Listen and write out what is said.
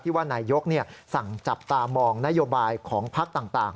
ว่านายยกสั่งจับตามองนโยบายของพักต่าง